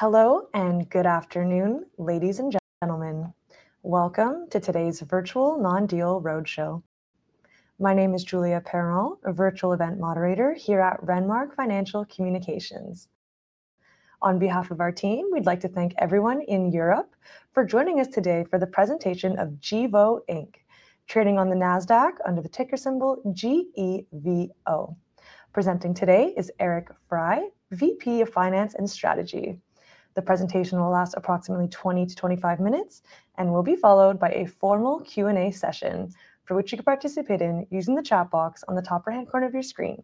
Hello and good afternoon, ladies and gentlemen. Welcome to today's virtual non-deal roadshow. My name is Julia Perrin, a virtual event moderator here at Renmark Financial Communications. On behalf of our team, we'd like to thank everyone in Europe for joining us today for the presentation of Gevo, Inc., trading on the NASDAQ under the ticker symbol GEVO. Presenting today is Eric Frey, VP of Finance and Strategy. The presentation will last approximately 20 to 25 minutes and will be followed by a formal Q&A session for which you can participate in using the chat box on the top right-hand corner of your screen.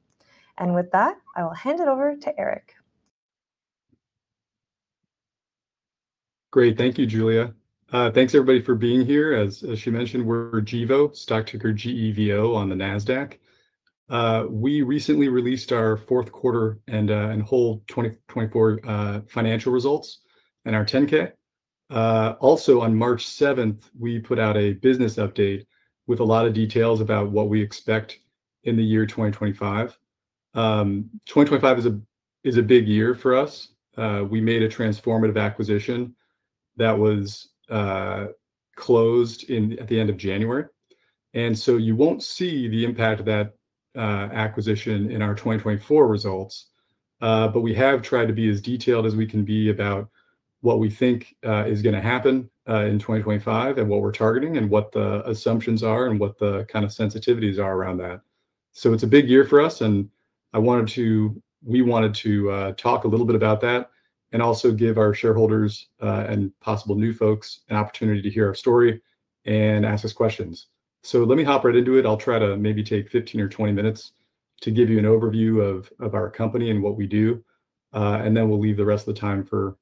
With that, I will hand it over to Eric. Great. Thank you, Julia. Thanks, everybody, for being here. As she mentioned, we're Gevo, stock ticker GEVO on the NASDAQ. We recently released our fourth quarter and whole 2024 financial results and our 10-K. Also, on March 7th, we put out a business update with a lot of details about what we expect in the year 2025. 2025 is a big year for us. We made a transformative acquisition that was closed at the end of January. You won't see the impact of that acquisition in our 2024 results, but we have tried to be as detailed as we can be about what we think is going to happen in 2025 and what we're targeting and what the assumptions are and what the kind of sensitivities are around that. It's a big year for us, and I wanted to—we wanted to talk a little bit about that and also give our shareholders and possible new folks an opportunity to hear our story and ask us questions. Let me hop right into it. I'll try to maybe take 15 or 20 minutes to give you an overview of our company and what we do, and then we'll leave the rest of the time for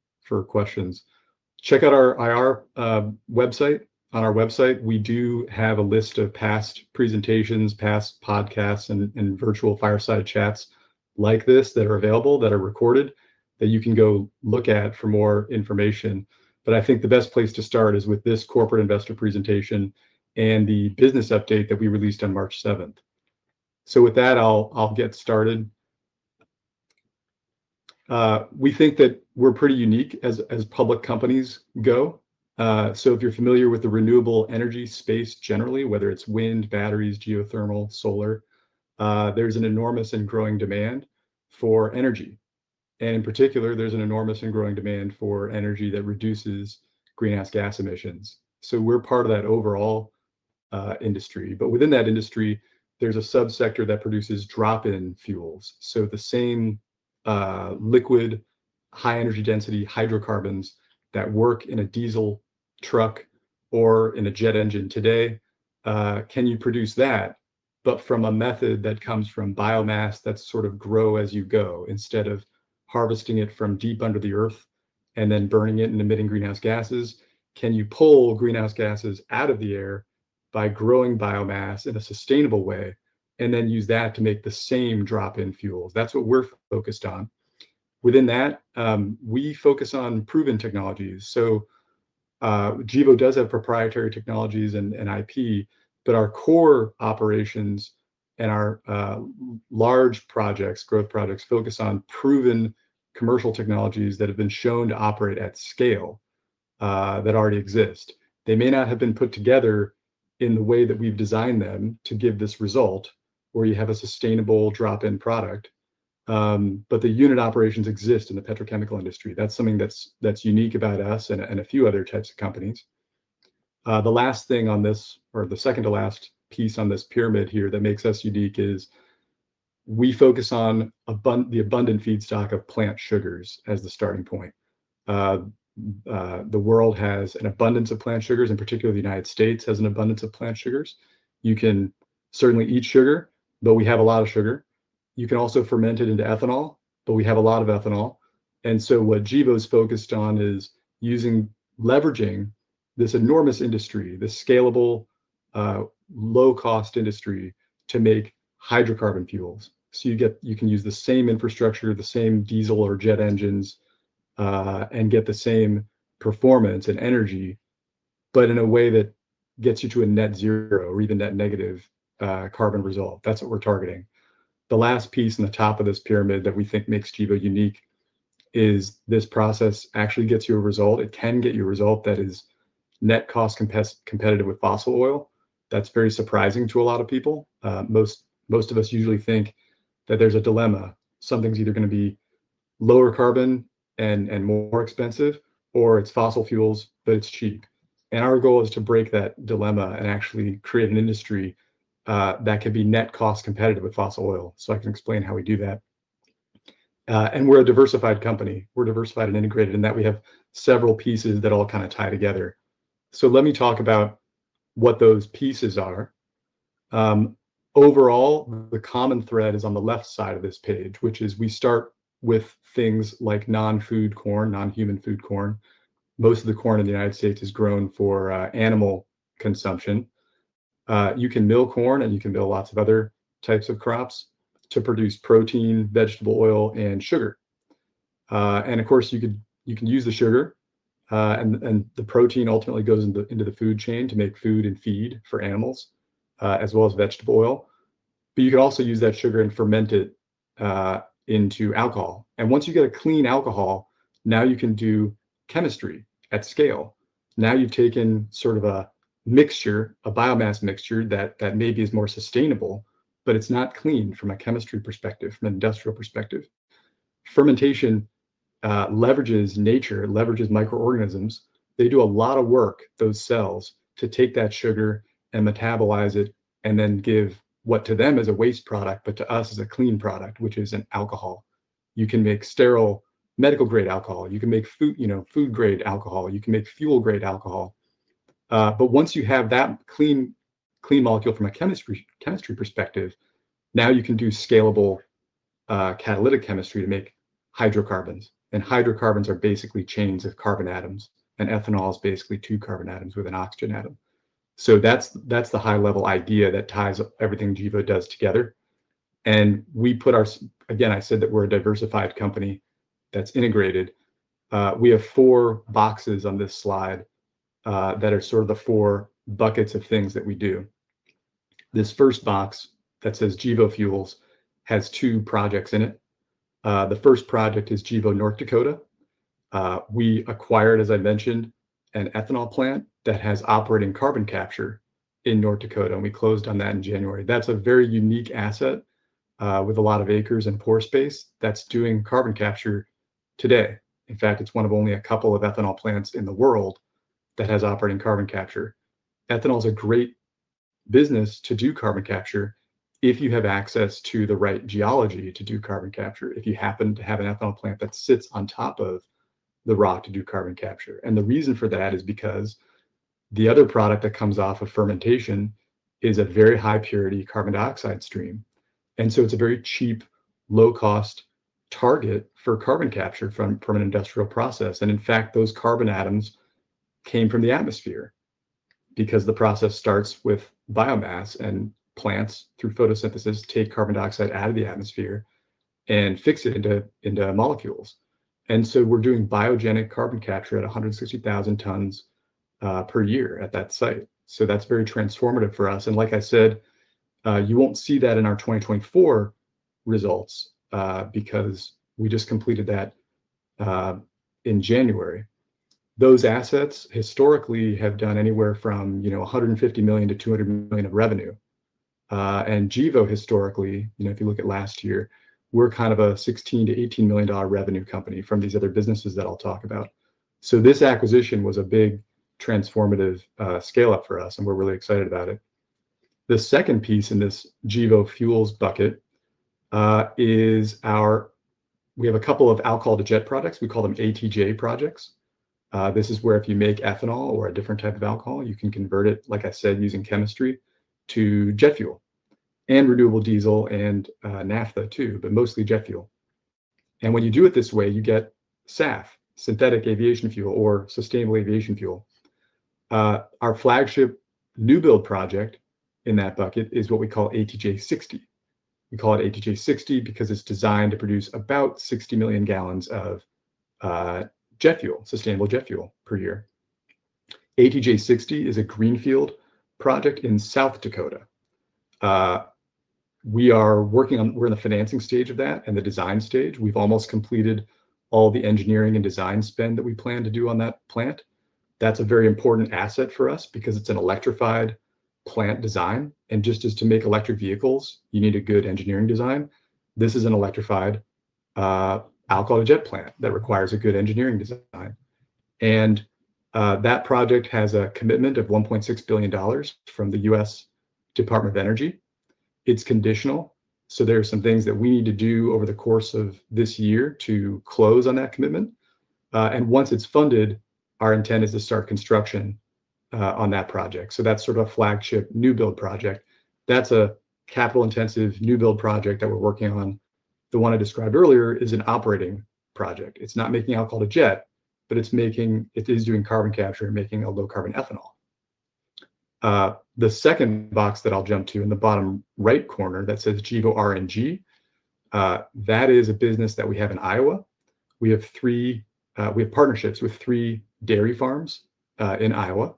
questions. Check out our IR website, on our website. We do have a list of past presentations, past podcasts, and virtual fireside chats like this that are available that are recorded that you can go look at for more information. I think the best place to start is with this corporate investor presentation and the business update that we released on March 7th. With that, I'll get started. We think that we're pretty unique as public companies go. If you're familiar with the renewable energy space generally, whether it's wind, batteries, geothermal, solar, there's an enormous and growing demand for energy. In particular, there's an enormous and growing demand for energy that reduces greenhouse gas emissions. We're part of that overall industry. Within that industry, there's a subsector that produces drop-in fuels. The same liquid, high-energy density hydrocarbons that work in a diesel truck or in a jet engine today, can you produce that, but from a method that comes from biomass that's sort of grow as you go instead of harvesting it from deep under the earth and then burning it and emitting greenhouse gases? Can you pull greenhouse gases out of the air by growing biomass in a sustainable way and then use that to make the same drop-in fuels? That's what we're focused on. Within that, we focus on proven technologies. Gevo does have proprietary technologies and IP, but our core operations and our large projects, growth projects, focus on proven commercial technologies that have been shown to operate at scale that already exist. They may not have been put together in the way that we've designed them to give this result where you have a sustainable drop-in product, but the unit operations exist in the petrochemical industry. That's something that's unique about us and a few other types of companies. The last thing on this, or the second to last piece on this pyramid here that makes us unique is we focus on the abundant feedstock of plant sugars as the starting point. The world has an abundance of plant sugars, and particularly the United States has an abundance of plant sugars. You can certainly eat sugar, but we have a lot of sugar. You can also ferment it into ethanol, but we have a lot of ethanol. What Gevo is focused on is leveraging this enormous industry, this scalable, low-cost industry to make hydrocarbon fuels. You can use the same infrastructure, the same diesel or jet engines, and get the same performance and energy, but in a way that gets you to a net zero or even net negative carbon result. That is what we are targeting. The last piece in the top of this pyramid that we think makes Gevo unique is this process actually gets you a result. It can get you a result that is net cost competitive with fossil oil. That is very surprising to a lot of people. Most of us usually think that there is a dilemma. Something's either going to be lower carbon and more expensive, or it's fossil fuels, but it's cheap. Our goal is to break that dilemma and actually create an industry that can be net cost competitive with fossil oil. I can explain how we do that. We're a diversified company. We're diversified and integrated in that we have several pieces that all kind of tie together. Let me talk about what those pieces are. Overall, the common thread is on the left side of this page, which is we start with things like non-food corn, non-human food corn. Most of the corn in the United States is grown for animal consumption. You can mill corn, and you can mill lots of other types of crops to produce protein, vegetable oil, and sugar. You can use the sugar, and the protein ultimately goes into the food chain to make food and feed for animals, as well as vegetable oil. You can also use that sugar and ferment it into alcohol. Once you get a clean alcohol, now you can do chemistry at scale. Now you have taken sort of a mixture, a biomass mixture that maybe is more sustainable, but it is not clean from a chemistry perspective, from an industrial perspective. Fermentation leverages nature, leverages microorganisms. They do a lot of work, those cells, to take that sugar and metabolize it and then give what to them is a waste product, but to us is a clean product, which is an alcohol. You can make sterile medical-grade alcohol. You can make food-grade alcohol. You can make fuel-grade alcohol. Once you have that clean molecule from a chemistry perspective, now you can do scalable catalytic chemistry to make hydrocarbons. Hydrocarbons are basically chains of carbon atoms, and ethanol is basically two carbon atoms with an oxygen atom. That is the high-level idea that ties everything Gevo does together. Again, I said that we're a diversified company that's integrated. We have four boxes on this slide that are sort of the four buckets of things that we do. This first box that says Gevo Fuels has two projects in it. The first project is Gevo North Dakota. We acquired, as I mentioned, an ethanol plant that has operating carbon capture in North Dakota, and we closed on that in January. That is a very unique asset with a lot of acres and pore space that is doing carbon capture. Today, in fact it's one of only a couple of ethanol plants in the world that has operating carbon capture. Ethanol is a great business to do carbon capture, if you have access to the right geology to do carbon capture, if you happen to have an ethanol plant that sits on top of the rock to do carbon capture. The reason for that is because the other product that comes off of fermentation is a very high-purity carbon dioxide stream. It is a very cheap, low-cost target for carbon capture from an industrial process. In fact, those carbon atoms came from the atmosphere because the process starts with biomass, and plants through photosynthesis take carbon dioxide out of the atmosphere and fix it into molecules. We are doing biogenic carbon capture at 160,000 tons per year at that site. That is very transformative for us. Like I said, you will not see that in our 2024 results because we just completed that in January. Those assets historically have done anywhere from $150 million-$200 million of revenue. Gevo historically, if you look at last year, we are kind of a $16 million-$18 million revenue company from these other businesses that I will talk about. This acquisition was a big transformative scale-up for us, and we are really excited about it. The second piece in this Gevo Fuels bucket is our—we have a couple of alcohol-to-jet products. We call them ATJ projects. This is where if you make ethanol or a different type of alcohol, you can convert it, like I said, using chemistry to jet fuel and renewable diesel and naphtha too, but mostly jet fuel. When you do it this way, you get SAF, synthetic aviation fuel or sustainable aviation fuel. Our flagship new build project in that bucket is what we call ATJ 60. We call it ATJ 60 because it's designed to produce about 60 million gallons of jet fuel, sustainable jet fuel per year. ATJ 60 is a greenfield project in South Dakota. We are working on—we're in the financing stage of that and the design stage. We've almost completed all the engineering and design spend that we plan to do on that plant. That's a very important asset for us because it's an electrified plant design. Just as to make electric vehicles, you need a good engineering design. This is an electrified alcohol-to-jet plant that requires a good engineering design. That project has a commitment of $1.6 billion from the U.S. Department of Energy. It's conditional. There are some things that we need to do over the course of this year to close on that commitment. Once it's funded, our intent is to start construction on that project. That's sort of a flagship new build project. That's a capital-intensive new build project that we're working on. The one I described earlier is an operating project. It's not making alcohol-to-jet, but it's making—it is doing carbon capture and making a low-carbon ethanol. The second box that I'll jump to in the bottom right corner that says Gevo RNG, that is a business that we have in Iowa. We have partnerships with three dairy farms in Iowa.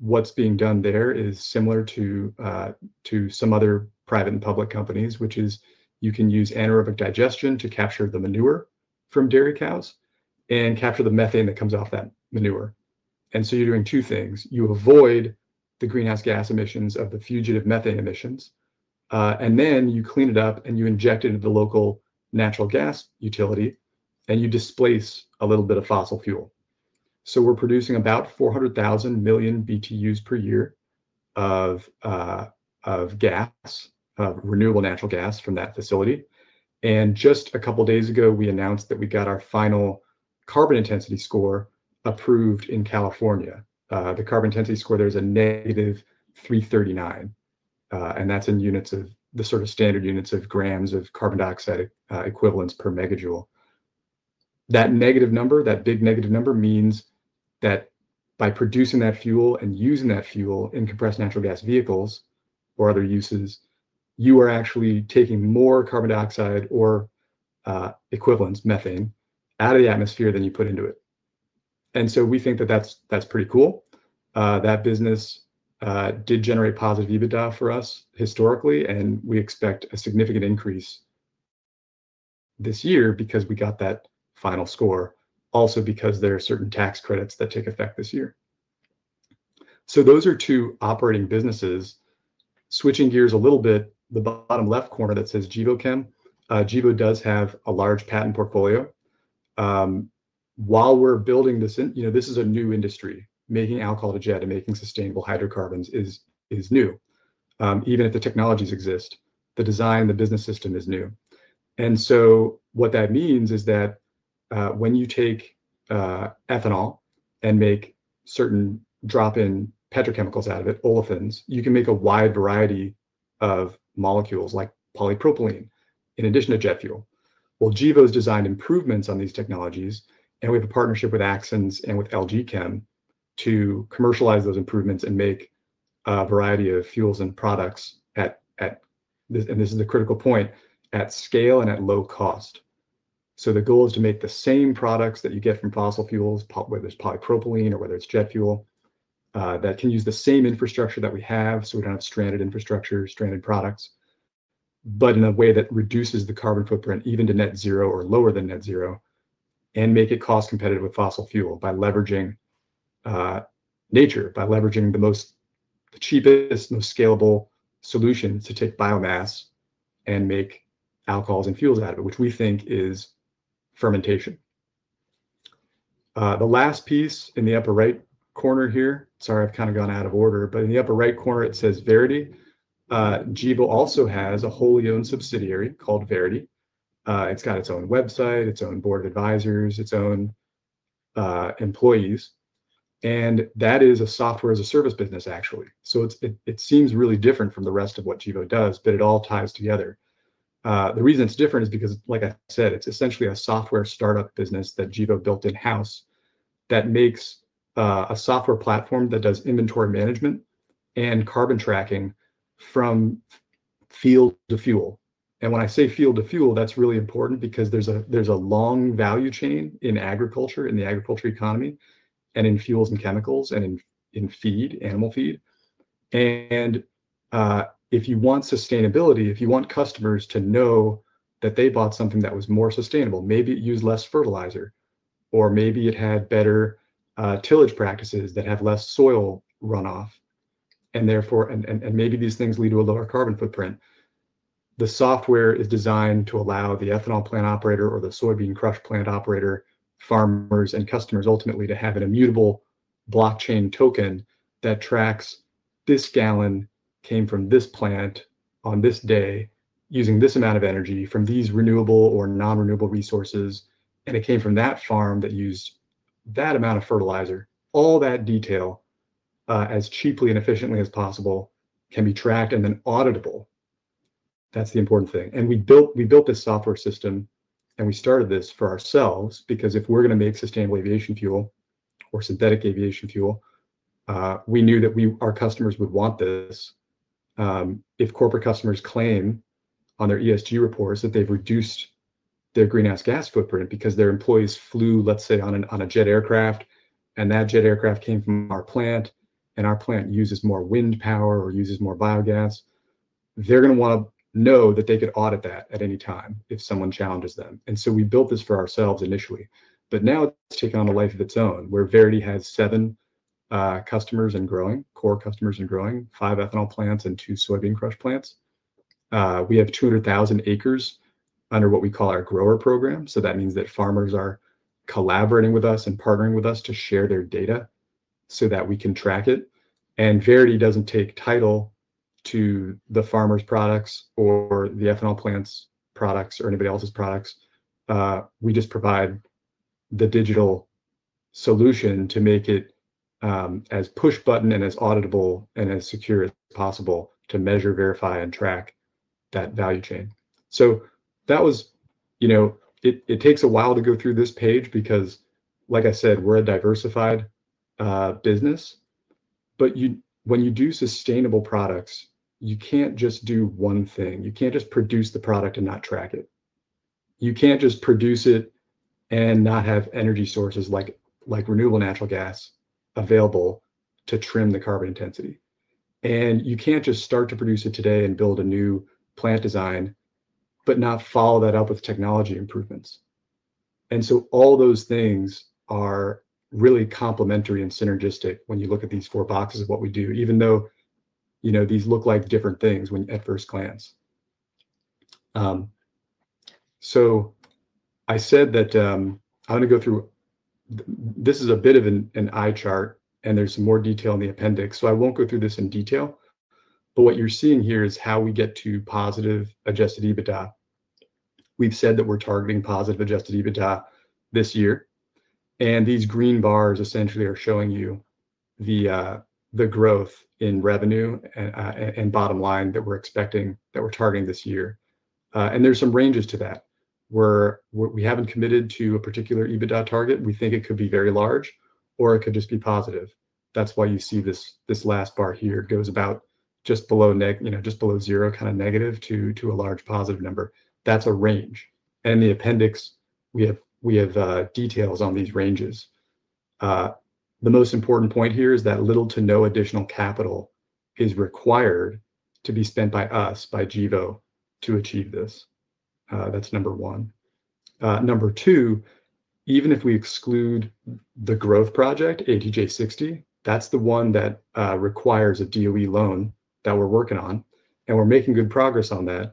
What's being done there is similar to some other private and public companies, which is you can use anaerobic digestion to capture the manure from dairy cows and capture the methane that comes off that manure. You are doing two things. You avoid the greenhouse gas emissions of the fugitive methane emissions, and then you clean it up and you inject it into the local natural gas utility, and you displace a little bit of fossil fuel. We are producing about 400,000 million BTUs per year of gas, of renewable natural gas from that facility. Just a couple of days ago, we announced that we got our final carbon intensity score approved in California. The carbon intensity score, there is a negative 339, and that is in units of the sort of standard units of grams of carbon dioxide equivalents per megajoule. That negative number, that big negative number means that by producing that fuel and using that fuel in compressed natural gas vehicles or other uses, you are actually taking more carbon dioxide or equivalents, methane, out of the atmosphere than you put into it. We think that that's pretty cool. That business did generate positive EBITDA for us historically, and we expect a significant increase this year because we got that final score, also because there are certain tax credits that take effect this year. Those are two operating businesses. Switching gears a little bit, the bottom left corner that says Gevo Chem, Gevo does have a large patent portfolio. While we're building this, this is a new industry. Making alcohol-to-jet and making sustainable hydrocarbons is new. Even if the technologies exist, the design, the business system is new. What that means is that when you take ethanol and make certain drop-in petrochemicals out of it, olefins, you can make a wide variety of molecules like polypropylene in addition to jet fuel. Gevo has designed improvements on these technologies, and we have a partnership with Axens and with LG Chem to commercialize those improvements and make a variety of fuels and products at—and this is a critical point—at scale and at low cost. The goal is to make the same products that you get from fossil fuels, whether it's polypropylene or whether it's jet fuel, that can use the same infrastructure that we have. We do not have stranded infrastructure, stranded products, but in a way that reduces the carbon footprint even to net zero or lower than net zero and make it cost competitive with fossil fuel by leveraging nature, by leveraging the cheapest, most scalable solutions to take biomass and make alcohols and fuels out of it, which we think is fermentation. The last piece in the upper right corner here—sorry, I've kind of gone out of order—but in the upper right corner, it says Verity. Gevo also has a wholly owned subsidiary called Verity. It's got its own website, its own board of advisors, its own employees. That is a software as a service business, actually. It seems really different from the rest of what Gevo does, but it all ties together. The reason it's different is because, like I said, it's essentially a software startup business that Gevo built in-house that makes a software platform that does inventory management and carbon tracking from field to fuel. When I say field to fuel, that's really important because there's a long value chain in agriculture, in the agriculture economy, and in fuels and chemicals and in feed, animal feed. If you want sustainability, if you want customers to know that they bought something that was more sustainable, maybe it used less fertilizer, or maybe it had better tillage practices that have less soil runoff, and maybe these things lead to a lower carbon footprint, the software is designed to allow the ethanol plant operator or the soybean crush plant operator, farmers and customers ultimately to have an immutable blockchain token that tracks this gallon came from this plant on this day using this amount of energy from these renewable or non-renewable resources, and it came from that farm that used that amount of fertilizer. All that detail as cheaply and efficiently as possible can be tracked and then auditable. That's the important thing. We built this software system, and we started this for ourselves because if we're going to make sustainable aviation fuel or synthetic aviation fuel, we knew that our customers would want this if corporate customers claim on their ESG reports that they've reduced their greenhouse gas footprint because their employees flew, let's say, on a jet aircraft, and that jet aircraft came from our plant and our plant uses more wind power or uses more biogas. They're going to want to know that they could audit that at any time if someone challenges them. We built this for ourselves initially. Now it's taken on a life of its own, where Verity has seven customers and growing, core customers and growing, five ethanol plants and two soybean crush plants. We have 200,000 acres under what we call our grower program. That means that farmers are collaborating with us and partnering with us to share their data so that we can track it. Verity does not take title to the farmers' products or the ethanol plant's products or anybody else's products. We just provide the digital solution to make it as push button and as auditable and as secure as possible to measure, verify, and track that value chain. That was—it takes a while to go through this page because, like I said, we are a diversified business. When you do sustainable products, you cannot just do one thing. You cannot just produce the product and not track it. You cannot just produce it and not have energy sources like renewable natural gas available to trim the carbon intensity. You cannot just start to produce it today and build a new plant design, but not follow that up with technology improvements. All those things are really complementary and synergistic when you look at these four boxes of what we do, even though these look like different things at first glance. I said that I am going to go through—this is a bit of an eye chart, and there is some more detail in the appendix. I will not go through this in detail. What you are seeing here is how we get to positive adjusted EBITDA. We have said that we are targeting positive adjusted EBITDA this year. These green bars essentially are showing you the growth in revenue and bottom line that we are expecting, that we are targeting this year. There are some ranges to that. We have not committed to a particular EBITDA target. We think it could be very large or it could just be positive. That's why you see this last bar here goes about just below zero, kind of negative to a large positive number. That's a range. In the appendix, we have details on these ranges. The most important point here is that little to no additional capital is required to be spent by us, by Gevo, to achieve this. That's number one. Number two, even if we exclude the growth project, ATJ 60, that's the one that requires a DOE loan that we're working on, and we're making good progress on that.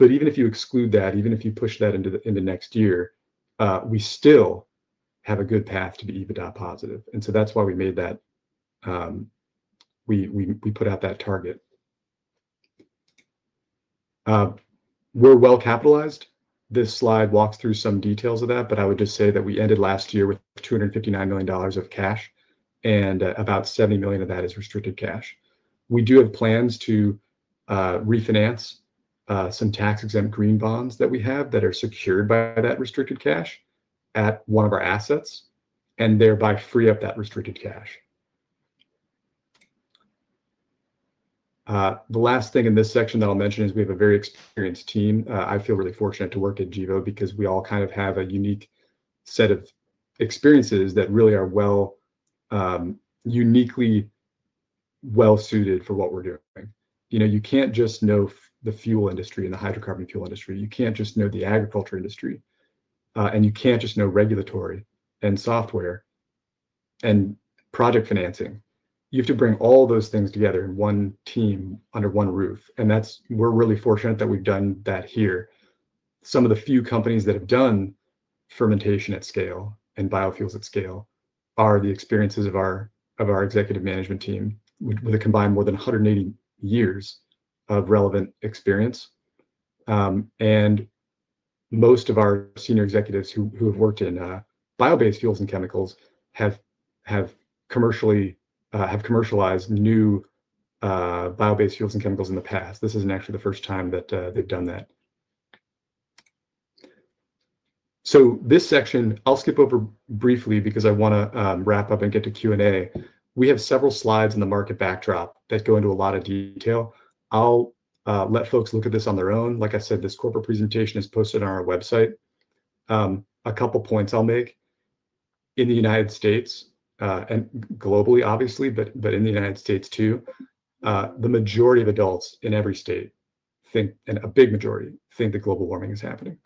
Even if you exclude that, even if you push that into next year, we still have a good path to be EBITDA positive. That's why we made that—we put out that target. We're well capitalized. This slide walks through some details of that, but I would just say that we ended last year with $259 million of cash, and about $70 million of that is restricted cash. We do have plans to refinance some tax-exempt green bonds that we have that are secured by that restricted cash at one of our assets and thereby free up that restricted cash. The last thing in this section that I'll mention is we have a very experienced team. I feel really fortunate to work at Gevo because we all kind of have a unique set of experiences that really are uniquely well-suited for what we're doing. You can't just know the fuel industry and the hydrocarbon fuel industry. You can't just know the agriculture industry, and you can't just know regulatory and software and project financing. You have to bring all those things together in one team under one roof. We're really fortunate that we've done that here. Some of the few companies that have done fermentation at scale and biofuels at scale are the experiences of our executive management team with a combined more than 180 years of relevant experience. Most of our senior executives who have worked in bio-based fuels and chemicals have commercialized new bio-based fuels and chemicals in the past. This isn't actually the first time that they've done that. This section, I'll skip over briefly because I want to wrap up and get to Q&A. We have several slides in the market backdrop that go into a lot of detail. I'll let folks look at this on their own. Like I said, this corporate presentation is posted on our website. A couple of points I'll make. In the United States and globally, obviously, but in the United States too, the majority of adults in every state, and a big majority, think that global warming is happening.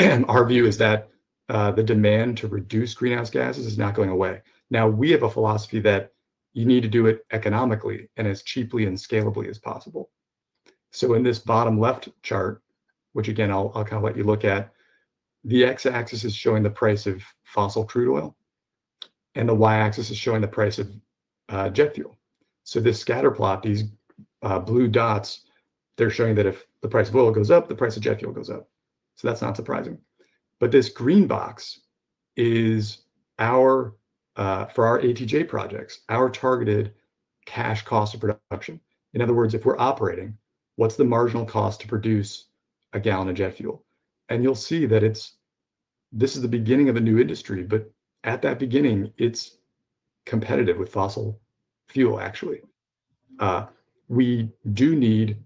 Our view is that the demand to reduce greenhouse gases is not going away. Now, we have a philosophy that you need to do it economically and as cheaply and scalably as possible. In this bottom left chart, which again, I'll kind of let you look at, the X-axis is showing the price of fossil crude oil, and the Y-axis is showing the price of jet fuel. This scatter plot, these blue dots, they're showing that if the price of oil goes up, the price of jet fuel goes up. That's not surprising. This green box is for our ATJ projects, our targeted cash cost of production. In other words, if we're operating, what's the marginal cost to produce a gallon of jet fuel? You'll see that this is the beginning of a new industry, but at that beginning, it's competitive with fossil fuel, actually. We do need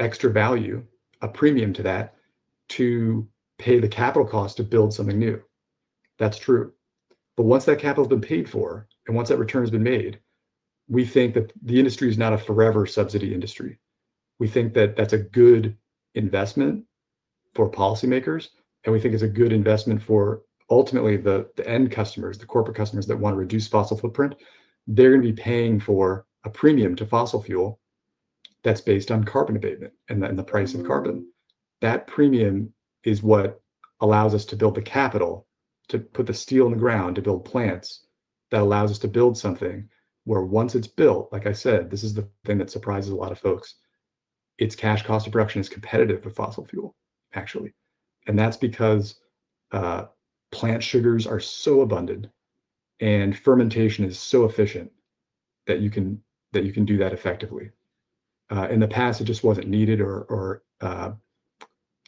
extra value, a premium to that, to pay the capital cost to build something new. That's true. Once that capital has been paid for and once that return has been made, we think that the industry is not a forever subsidy industry. We think that that's a good investment for policymakers, and we think it's a good investment for ultimately the end customers, the corporate customers that want to reduce fossil footprint. They're going to be paying for a premium to fossil fuel that's based on carbon abatement and the price of carbon. That premium is what allows us to build the capital, to put the steel in the ground to build plants that allows us to build something where once it's built, like I said, this is the thing that surprises a lot of folks. Its cash cost of production is competitive with fossil fuel, actually. And that's because plant sugars are so abundant and fermentation is so efficient that you can do that effectively. In the past, it just wasn't needed or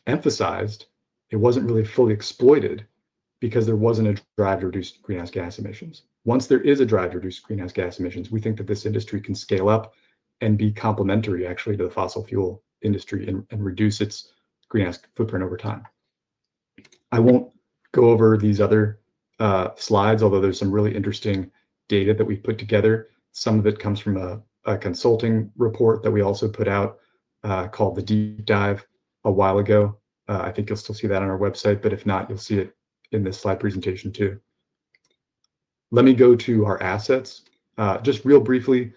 emphasized. It wasn't really fully exploited because there wasn't a drive to reduce greenhouse gas emissions. Once there is a drive to reduce greenhouse gas emissions, we think that this industry can scale up and be complementary, actually, to the fossil fuel industry and reduce its greenhouse footprint over time. I won't go over these other slides, although there's some really interesting data that we've put together. Some of it comes from a consulting report that we also put out called the Deep Dive a while ago. I think you'll still see that on our website, but if not, you'll see it in this slide presentation too. Let me go to our assets. Just real briefly,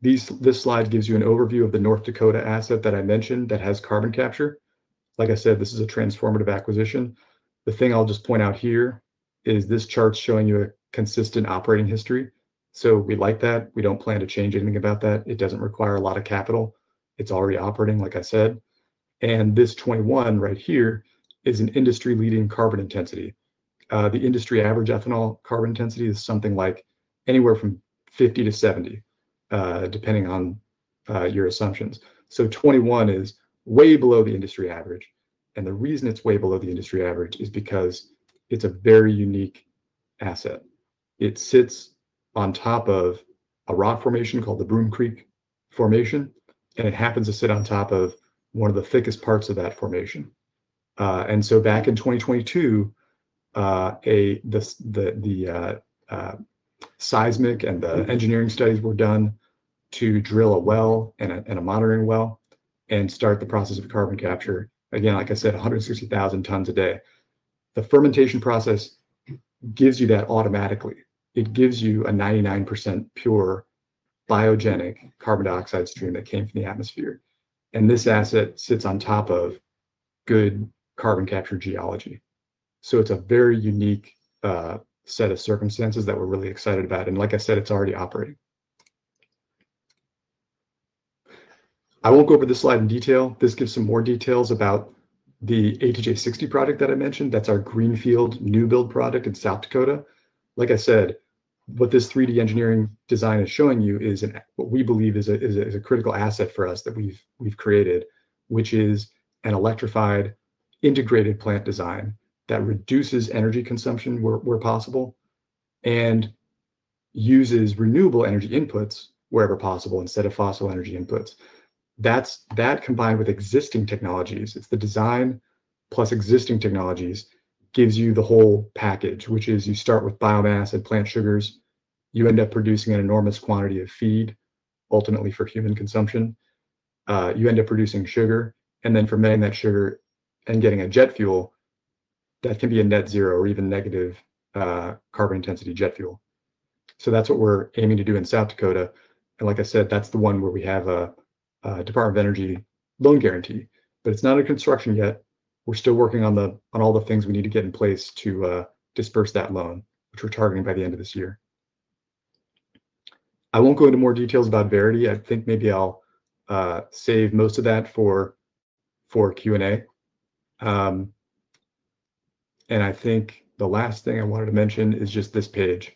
this slide gives you an overview of the North Dakota asset that I mentioned that has carbon capture. Like I said, this is a transformative acquisition. The thing I'll just point out here is this chart's showing you a consistent operating history. We like that. We don't plan to change anything about that. It doesn't require a lot of capital. It's already operating, like I said. This 21 right here is an industry-leading carbon intensity. The industry average ethanol carbon intensity is something like anywhere from 50-70, depending on your assumptions. 21 is way below the industry average. The reason it's way below the industry average is because it's a very unique asset. It sits on top of a rock formation called the Broom Creek Formation, and it happens to sit on top of one of the thickest parts of that formation. Back in 2022, the seismic and the engineering studies were done to drill a well and a monitoring well and start the process of carbon capture. Again, like I said, 160,000 tons a day. The fermentation process gives you that automatically. It gives you a 99% pure biogenic carbon dioxide stream that came from the atmosphere. This asset sits on top of good carbon capture geology. It's a very unique set of circumstances that we're really excited about. Like I said, it's already operating. I won't go over this slide in detail. This gives some more details about the ATJ 60 project that I mentioned. That's our greenfield new build project in South Dakota. Like I said, what this 3D engineering design is showing you is what we believe is a critical asset for us that we've created, which is an electrified integrated plant design that reduces energy consumption where possible and uses renewable energy inputs wherever possible instead of fossil energy inputs. That combined with existing technologies, it's the design plus existing technologies gives you the whole package, which is you start with biomass and plant sugars. You end up producing an enormous quantity of feed, ultimately for human consumption. You end up producing sugar, and then from making that sugar and getting a jet fuel, that can be a net zero or even negative carbon intensity jet fuel. That is what we're aiming to do in South Dakota. Like I said, that's the one where we have a Department of Energy loan guarantee. It is not in construction yet. We're still working on all the things we need to get in place to disperse that loan, which we're targeting by the end of this year. I won't go into more details about Verity. I think maybe I'll save most of that for Q&A. The last thing I wanted to mention is just this page.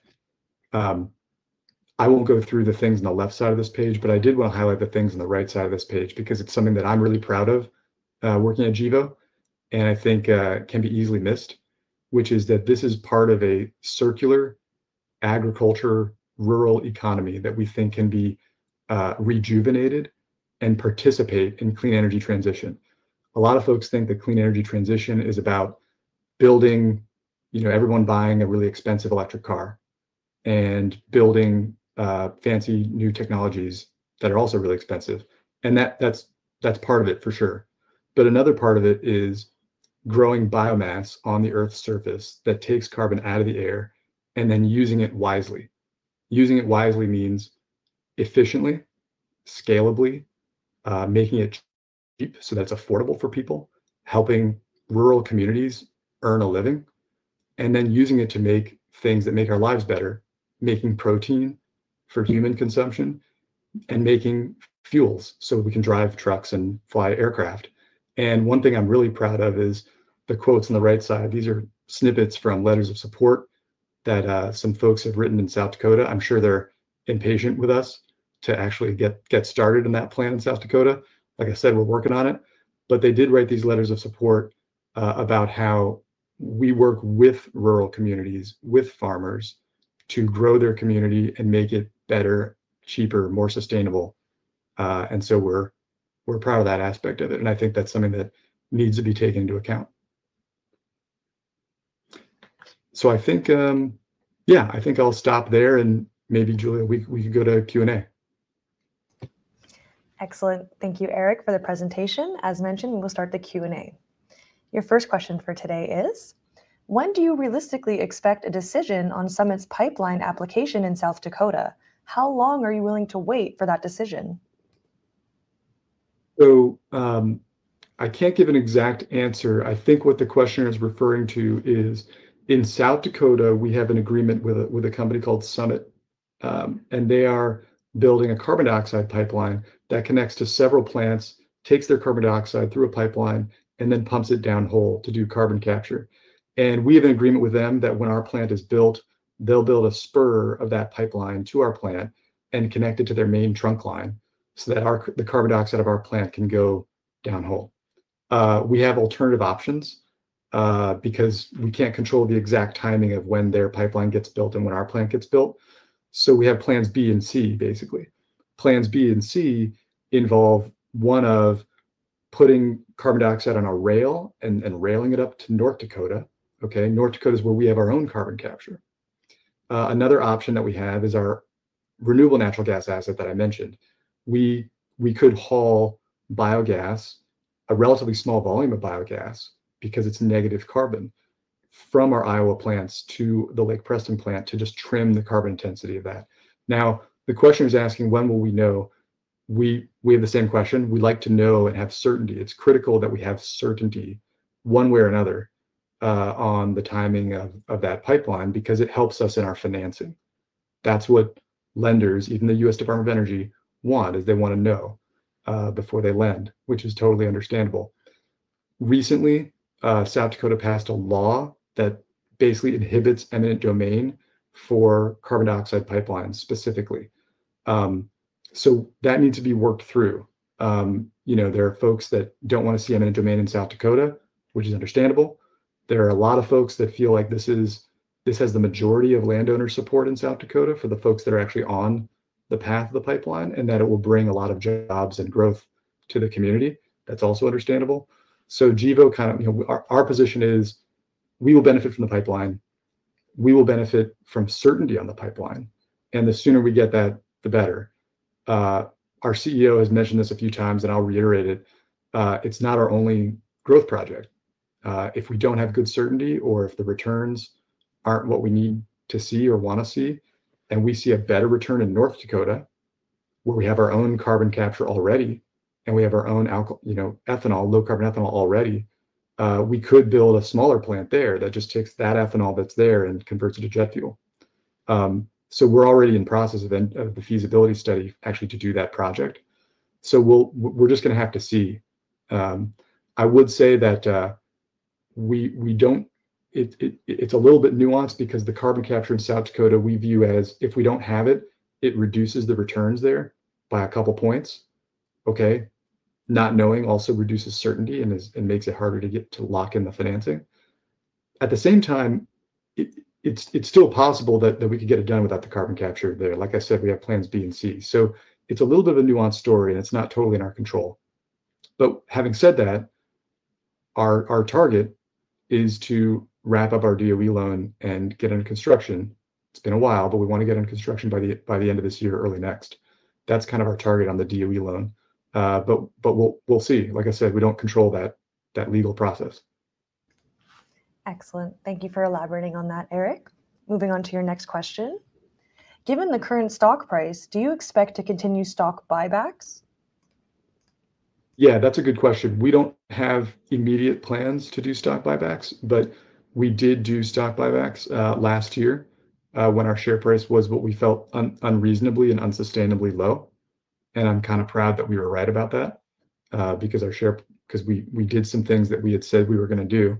I won't go through the things on the left side of this page, but I did want to highlight the things on the right side of this page because it's something that I'm really proud of working at Gevo, and I think can be easily missed, which is that this is part of a circular agriculture rural economy that we think can be rejuvenated and participate in clean energy transition. A lot of folks think that clean energy transition is about everyone buying a really expensive electric car and building fancy new technologies that are also really expensive. That's part of it, for sure. Another part of it is growing biomass on the Earth's surface that takes carbon out of the air and then using it wisely. Using it wisely means efficiently, scalably, making it cheap so that it's affordable for people, helping rural communities earn a living, and then using it to make things that make our lives better, making protein for human consumption and making fuels so we can drive trucks and fly aircraft. One thing I'm really proud of is the quotes on the right side. These are snippets from letters of support that some folks have written in South Dakota. I'm sure they're impatient with us to actually get started in that plan in South Dakota. Like I said, we're working on it. They did write these letters of support about how we work with rural communities, with farmers to grow their community and make it better, cheaper, more sustainable. We are proud of that aspect of it. I think that's something that needs to be taken into account. I think I'll stop there. Maybe, Julia, we can go to Q&A. Excellent. Thank you, Eric, for the presentation. As mentioned, we will start the Q&A. Your first question for today is, when do you realistically expect a decision on Summit's pipeline application in South Dakota? How long are you willing to wait for that decision? I can't give an exact answer. I think what the questioner is referring to is in South Dakota, we have an agreement with a company called Summit, and they are building a carbon dioxide pipeline that connects to several plants, takes their carbon dioxide through a pipeline, and then pumps it downhole to do carbon capture. We have an agreement with them that when our plant is built, they'll build a spur of that pipeline to our plant and connect it to their main trunk line so that the carbon dioxide of our plant can go downhole. We have alternative options because we can't control the exact timing of when their pipeline gets built and when our plant gets built. We have plans B and C, basically. Plans B and C involve one of putting carbon dioxide on a rail and railing it up to North Dakota. Okay? North Dakota is where we have our own carbon capture. Another option that we have is our renewable natural gas asset that I mentioned. We could haul biogas, a relatively small volume of biogas because it's negative carbon, from our Iowa plants to the Lake Preston plant to just trim the carbon intensity of that. Now, the questioner is asking, when will we know? We have the same question. We'd like to know and have certainty. It's critical that we have certainty one way or another on the timing of that pipeline because it helps us in our financing. That's what lenders, even the U.S. Department of Energy, want is they want to know before they lend, which is totally understandable. Recently, South Dakota passed a law that basically inhibits eminent domain for carbon dioxide pipelines specifically. That needs to be worked through. There are folks that do not want to see eminent domain in South Dakota, which is understandable. There are a lot of folks that feel like this has the majority of landowner support in South Dakota for the folks that are actually on the path of the pipeline and that it will bring a lot of jobs and growth to the community. That is also understandable. Gevo, our position is we will benefit from the pipeline. We will benefit from certainty on the pipeline. The sooner we get that, the better. Our CEO has mentioned this a few times, and I will reiterate it. It is not our only growth project. If we don't have good certainty or if the returns aren't what we need to see or want to see, and we see a better return in North Dakota where we have our own carbon capture already and we have our own ethanol, low carbon ethanol already, we could build a smaller plant there that just takes that ethanol that's there and converts it to jet fuel. We're already in process of the feasibility study actually to do that project. We're just going to have to see. I would say that we don't—it's a little bit nuanced because the carbon capture in South Dakota we view as if we don't have it, it reduces the returns there by a couple of points. Not knowing also reduces certainty and makes it harder to lock in the financing. At the same time, it's still possible that we could get it done without the carbon capture there. Like I said, we have plans B and C. It's a little bit of a nuanced story, and it's not totally in our control. Having said that, our target is to wrap up our DOE loan and get into construction. It's been a while, but we want to get into construction by the end of this year, early next. That's kind of our target on the DOE loan. We'll see. Like I said, we don't control that legal process. Excellent. Thank you for elaborating on that, Eric. Moving on to your next question. Given the current stock price, do you expect to continue stock buybacks? Yeah, that's a good question. We do not have immediate plans to do stock buybacks, but we did do stock buybacks last year when our share price was what we felt unreasonably and unsustainably low. I am kind of proud that we were right about that because we did some things that we had said we were going to do,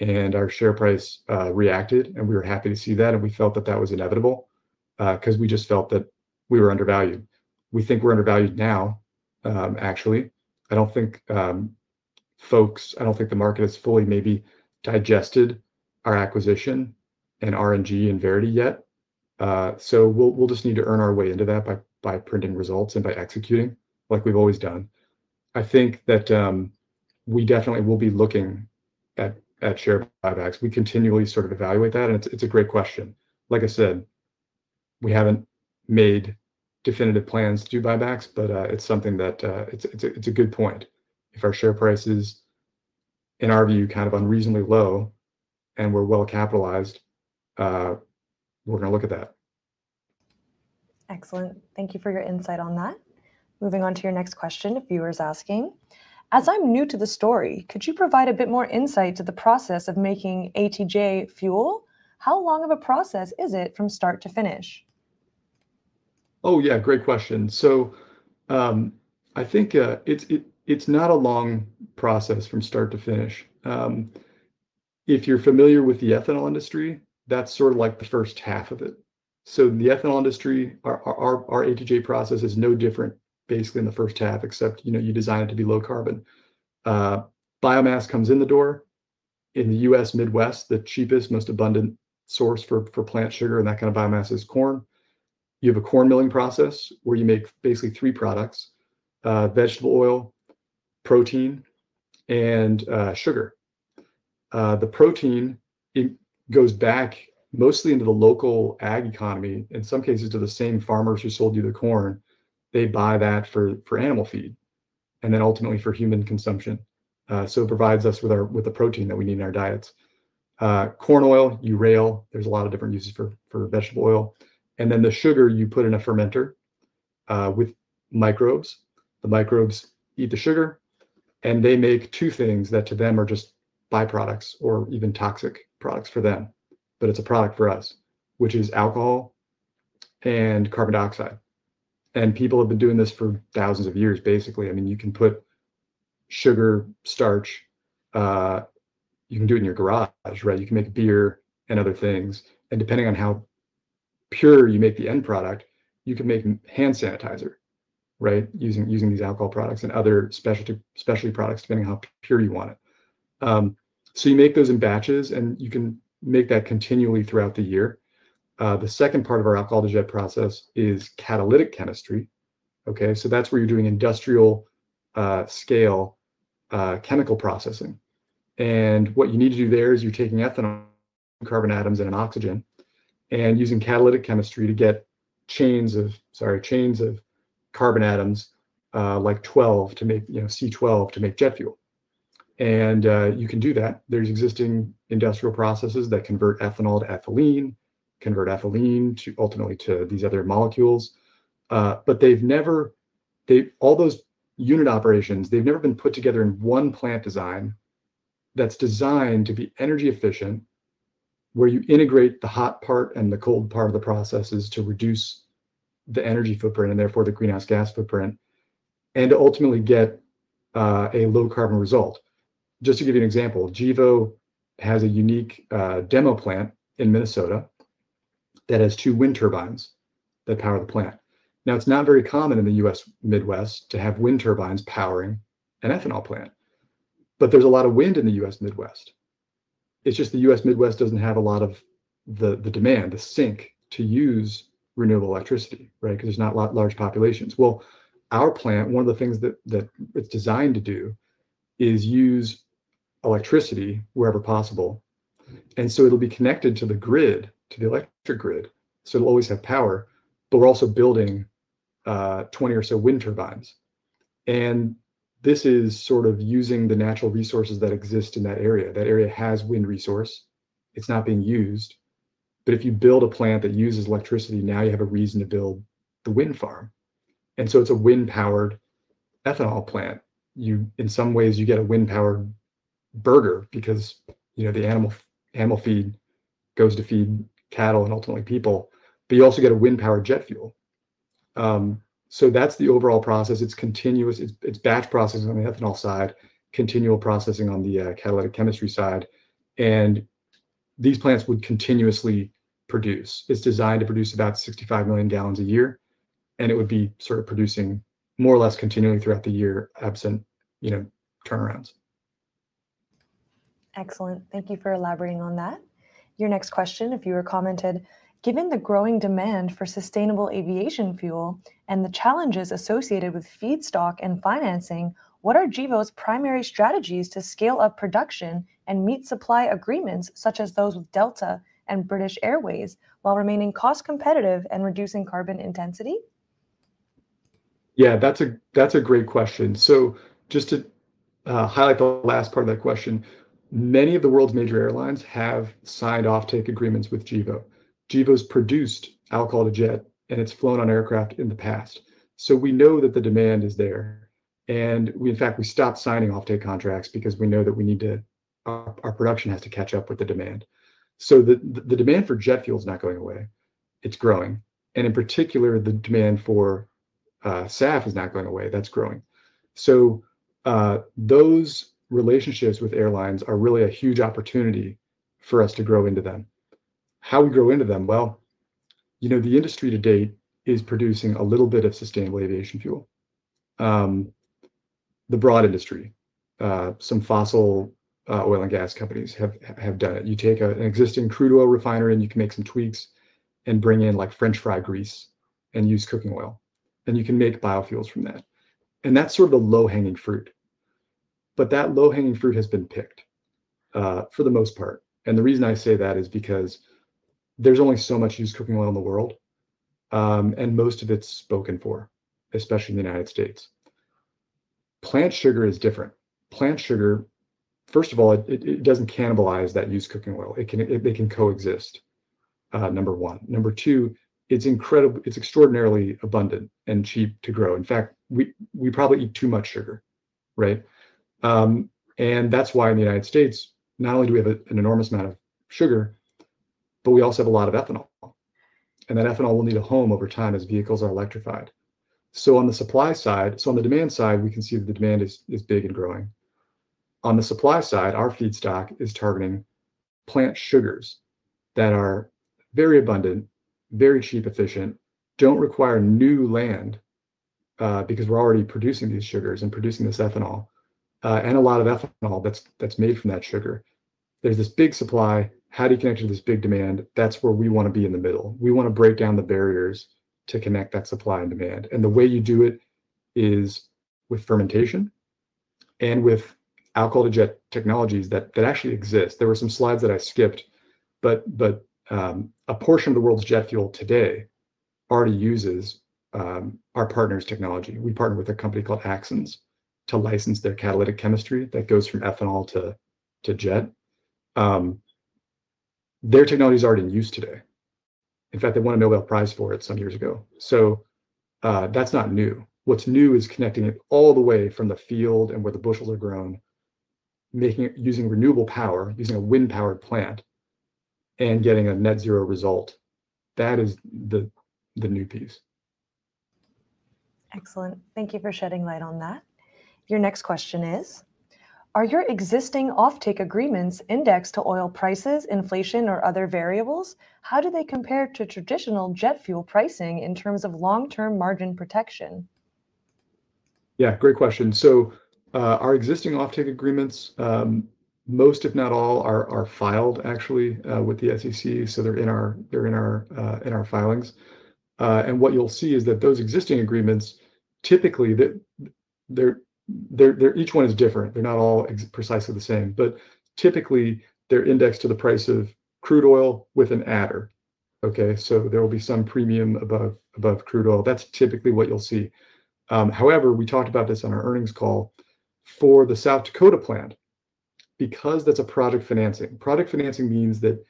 and our share price reacted, and we were happy to see that. We felt that that was inevitable because we just felt that we were undervalued. We think we are undervalued now. Actually, i do not think folks—I do not think the market has fully maybe digested our acquisition and RNG and Verity yet. We will just need to earn our way into that by printing results and by executing like we have always done. I think that we definitely will be looking at share buybacks. We continually sort of evaluate that. It is a great question. Like I said, we haven't made definitive plans to do buybacks, but it's something that—it's a good point. If our share price is, in our view, kind of unreasonably low and we're well capitalized, we're going to look at that. Excellent. Thank you for your insight on that. Moving on to your next question, a viewer's asking, "As I'm new to the story, could you provide a bit more insight to the process of making ATJ fuel? How long of a process is it from start to finish?" Oh, yeah. Great question. I think it's not a long process from start to finish. If you're familiar with the ethanol industry, that's sort of like the first half of it. The ethanol industry, our ATJ process is no different basically in the first half, except you design it to be low carbon. Biomass comes in the door. In the U.S. Midwest, the cheapest, most abundant source for plant sugar and that kind of biomass is corn. You have a corn milling process where you make basically three products: vegetable oil, protein, and sugar. The protein goes back mostly into the local ag economy. In some cases, to the same farmers who sold you the corn, they buy that for animal feed and then ultimately for human consumption. It provides us with the protein that we need in our diets. Corn oil, you rail. There are a lot of different uses for vegetable oil. The sugar, you put in a fermenter with microbes. The microbes eat the sugar, and they make two things that to them are just byproducts or even toxic products for them. It is a product for us, which is alcohol and carbon dioxide. People have been doing this for thousands of years, basically. I mean, you can put sugar, starch. You can do it in your garage, right? You can make beer and other things. Depending on how pure you make the end product, you can make hand sanitizer, right, using these alcohol products and other specialty products depending on how pure you want it. You make those in batches, and you can make that continually throughout the year. The second part of our alcohol-to-jet process is catalytic chemistry. Okay? That is where you're doing industrial scale chemical processing. What you need to do there is you're taking ethanol carbon atoms and an oxygen and using catalytic chemistry to get chains of—sorry, chains of carbon atoms like 12 to make C12 to make jet fuel. You can do that. There's existing industrial processes that convert ethanol to ethylene, convert ethylene to ultimately to these other molecules. All those unit operations, they've never been put together in one plant design that's designed to be energy efficient where you integrate the hot part and the cold part of the processes to reduce the energy footprint and therefore the greenhouse gas footprint and to ultimately get a low carbon result. Just to give you an example, Gevo has a unique demo plant in Minnesota that has two wind turbines that power the plant. Now, it's not very common in the U.S. Midwest to have wind turbines powering an ethanol plant. There's a lot of wind in the U.S. Midwest. It's just the U.S. Midwest doesn't have a lot of the demand, the sink to use renewable electricity, right, because there's not large populations. Our plant, one of the things that it's designed to do is use electricity wherever possible. It will be connected to the grid, to the electric grid. It will always have power. We are also building 20 or so wind turbines. This is sort of using the natural resources that exist in that area. That area has wind resource. It's not being used. If you build a plant that uses electricity, now you have a reason to build the wind farm. It is a wind-powered ethanol plant. In some ways, you get a wind-powered burger because the animal feed goes to feed cattle and ultimately people. You also get a wind-powered jet fuel. That is the overall process. It is continuous. It is batch processing on the ethanol side, continual processing on the catalytic chemistry side. These plants would continuously produce. It's designed to produce about 65 million gallons a year. It would be sort of producing more or less continually throughout the year absent turnarounds. Excellent. Thank you for elaborating on that. Your next question, a viewer commented, "Given the growing demand for sustainable aviation fuel and the challenges associated with feedstock and financing, what are Gevo's primary strategies to scale up production and meet supply agreements such as those with Delta and British Airways while remaining cost-competitive and reducing carbon intensity?" Yeah, that's a great question. Just to highlight the last part of that question, many of the world's major airlines have signed offtake agreements with Gevo. Gevo's produced alcohol-to-jet, and it's flown on aircraft in the past. We know that the demand is there. In fact, we stopped signing offtake contracts because we know that our production has to catch up with the demand. The demand for jet fuel is not going away. It's growing. In particular, the demand for SAF is not going away. That's growing. Those relationships with airlines are really a huge opportunity for us to grow into them. How do we grow into them? The industry to date is producing a little bit of sustainable aviation fuel. The broad industry, some fossil oil and gas companies have done it. You take an existing crude oil refinery, and you can make some tweaks and bring in French fry grease and used cooking oil. You can make biofuels from that. That's sort of the low-hanging fruit. That low-hanging fruit has been picked for the most part. The reason I say that is because there's only so much used cooking oil in the world, and most of it's spoken for, especially in the United States. Plant sugar is different. Plant sugar, first of all, it doesn't cannibalize that used cooking oil. It can coexist, number one. Number two, it's extraordinarily abundant and cheap to grow. In fact, we probably eat too much sugar, right? That's why in the United States, not only do we have an enormous amount of sugar, but we also have a lot of ethanol. That ethanol will need a home over time as vehicles are electrified. On the supply side, on the demand side, we can see that the demand is big and growing. On the supply side, our feedstock is targeting plant sugars that are very abundant, very cheap, efficient, do not require new land because we are already producing these sugars and producing this ethanol and a lot of ethanol that is made from that sugar. There is this big supply. How do you connect to this big demand? That is where we want to be in the middle. We want to break down the barriers to connect that supply and demand. The way you do it is with fermentation and with alcohol-to-jet technologies that actually exist. There were some slides that I skipped, but a portion of the world's jet fuel today already uses our partner's technology. We partner with a company called Axens to license their catalytic chemistry that goes from ethanol-to-jet. Their technology is already in use today. In fact, they won a Nobel Prize for it some years ago. That's not new. What's new is connecting it all the way from the field and where the bushels are grown, using renewable power, using a wind-powered plant, and getting a net zero result. That is the new piece. Excellent. Thank you for shedding light on that. Your next question is, "Are your existing offtake agreements indexed to oil prices, inflation, or other variables? How do they compare to traditional jet fuel pricing in terms of long-term margin protection?" Yeah, great question. Our existing offtake agreements, most if not all, are filed actually with the SEC. They're in our filings. What you'll see is that those existing agreements, typically, each one is different. They're not all precisely the same. Typically, they're indexed to the price of crude oil with an adder. There will be some premium above crude oil. That's typically what you'll see. However, we talked about this on our earnings call for the South Dakota plant because that's a project financing. Project financing means that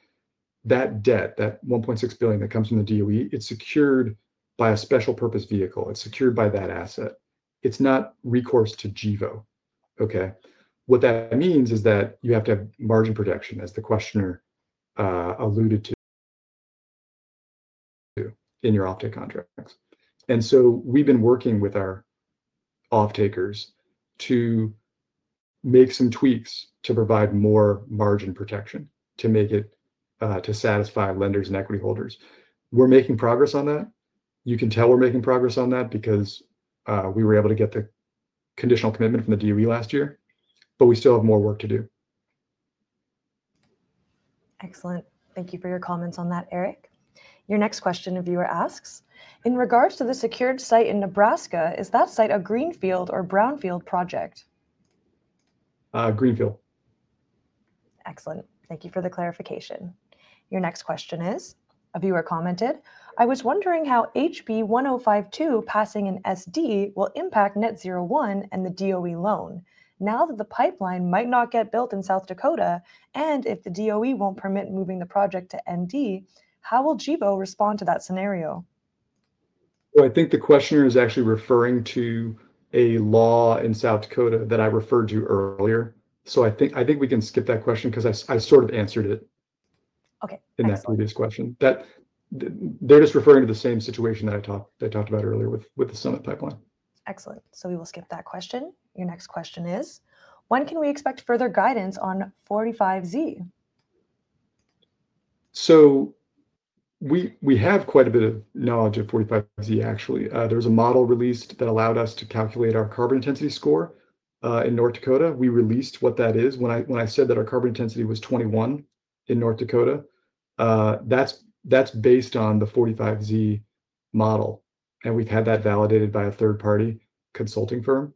that debt, that $1.6 billion that comes from the DOE, it's secured by a special purpose vehicle. It's secured by that asset. It's not recourse to Gevo. Okay? What that means is that you have to have margin protection, as the questioner alluded to, in your offtake contracts. We've been working with our offtakers to make some tweaks to provide more margin protection to satisfy lenders and equity holders. We're making progress on that. You can tell we're making progress on that because we were able to get the conditional commitment from the DOE last year. We still have more work to do. Excellent. Thank you for your comments on that, Eric. Your next question, a viewer asks, "In regards to the secured site in Nebraska, is that site a greenfield or brownfield project?" Greenfield. Excellent. Thank you for the clarification. Your next question is, a viewer commented, "I was wondering how HB1052 passing in SD will impact Net-Zero 1 and the DOE loan. Now that the pipeline might not get built in South Dakota, and if the DOE will not permit moving the project to ND, how will Gevo respond to that scenario?" I think the questioner is actually referring to a law in South Dakota that I referred to earlier. I think we can skip that question because I sort of answered it in that previous question. They're just referring to the same situation that I talked about earlier with the Summit pipeline. Excellent. We will skip that question. Your next question is, "When can we expect further guidance on 45Z?" We have quite a bit of knowledge of 45Z, actually. There was a model released that allowed us to calculate our carbon intensity score in North Dakota. We released what that is. When I said that our carbon intensity was 21 in North Dakota, that's based on the 45Z model. We've had that validated by a third-party consulting firm.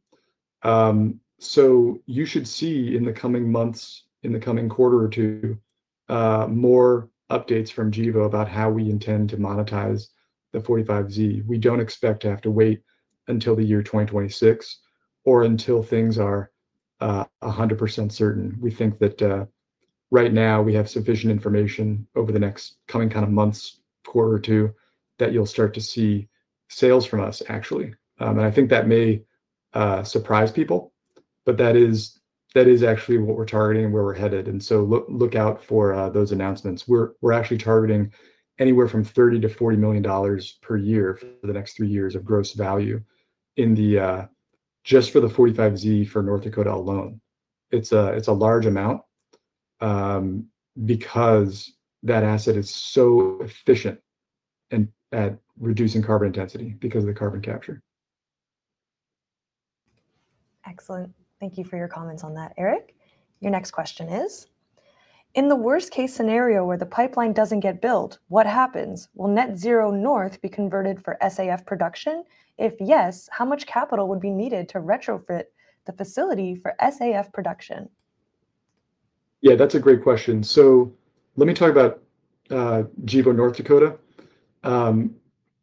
You should see in the coming months, in the coming quarter or two, more updates from Gevo about how we intend to monetize the 45Z. We don't expect to have to wait until the year 2026 or until things are 100% certain. We think that right now we have sufficient information over the next coming kind of months, quarter or two, that you'll start to see sales from us, actually. I think that may surprise people, but that is actually what we're targeting and where we're headed. Look out for those announcements. We're actually targeting anywhere from $30 million-$40 million per year for the next three years of gross value just for the 45Z for North Dakota alone. It's a large amount because that asset is so efficient at reducing carbon intensity because of the carbon capture. Excellent. Thank you for your comments on that, Eric. Your next question is, "In the worst-case scenario where the pipeline doesn't get built, what happens? Will Net-Zero North be converted for SAF production? If yes, how much capital would be needed to retrofit the facility for SAF production?" Yeah, that's a great question. Let me talk about Gevo North Dakota.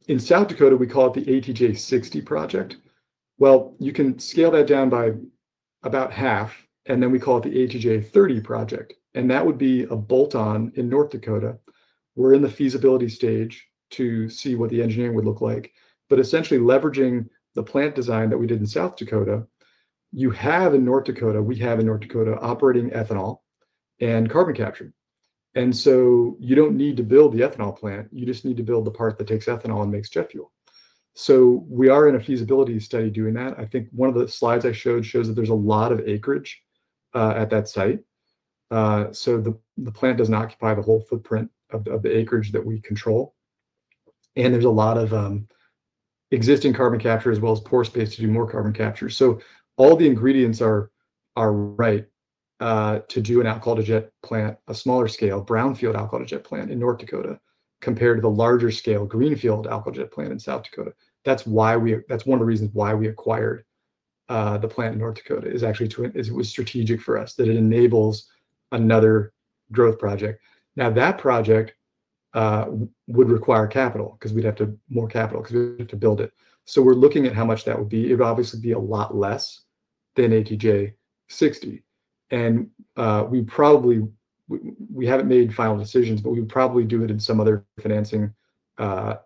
In South Dakota, we call it the ATJ 60 project. You can scale that down by about half, and then we call it the ATJ 30 project. That would be a bolt-on in North Dakota. We're in the feasibility stage to see what the engineering would look like. Essentially, leveraging the plant design that we did in South Dakota, you have in North Dakota, we have in North Dakota operating ethanol and carbon capture. You don't need to build the ethanol plant. You just need to build the part that takes ethanol and makes jet fuel. We are in a feasibility study doing that. I think one of the slides I showed shows that there's a lot of acreage at that site. The plant doesn't occupy the whole footprint of the acreage that we control. There's a lot of existing carbon capture as well as pore space to do more carbon capture. All the ingredients are right to do an alcohol-to-jet plant, a smaller scale brownfield alcohol-to-jet plant in North Dakota compared to the larger scale greenfield alcohol-to-jet plant in South Dakota. That's one of the reasons why we acquired the plant in North Dakota, is actually it was strategic for us that it enables another growth project. Now, that project would require more capital because we'd have to build it. We're looking at how much that would be. It would obviously be a lot less than ATJ 60. We haven't made final decisions, but we would probably do it in some other financing